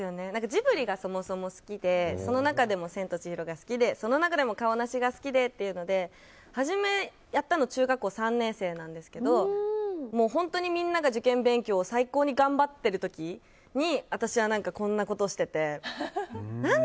ジブリがそもそも好きでその中でも「千と千尋の神隠し」が好きでその中でもカオナシが好きでっていうので初めやったのは中学校３年生なんですけど本当にみんなが受験勉強を最高に頑張っている時に私はこんなことをしてて。